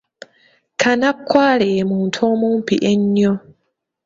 Kannakwale ye muntu omumpi ennyo.